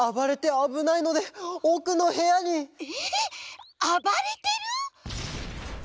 えっあばれてる？